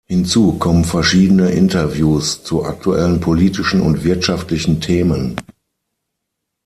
Hinzu kommen verschiedene Interviews zu aktuellen politischen und wirtschaftlichen Themen.